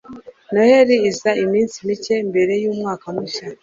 Noheri iza iminsi mike mbere yumwaka mushya